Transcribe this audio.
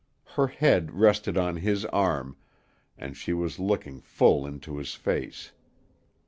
Her head rested on his arm, and she was looking full into his face.